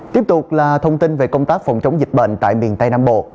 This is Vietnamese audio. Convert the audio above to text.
tiếp tục là thông tin về công tác phòng chống dịch bệnh tại miền tây nam bộ